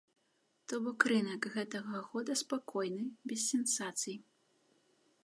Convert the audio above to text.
То бок рынак гэтага года спакойны, без сенсацый.